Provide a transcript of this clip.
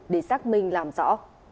hãy xác minh làm rõ